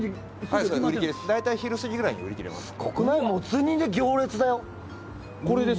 大体昼過ぎくらいに売り切れです。